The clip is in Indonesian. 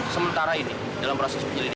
sementara ini dalam proses penyelidikan